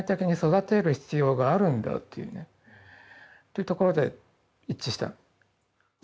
いうところで一致した。